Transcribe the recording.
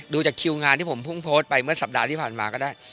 จากคิวงานที่ผมเพิ่งโพสต์ไปเมื่อสัปดาห์ที่ผ่านมาก็ได้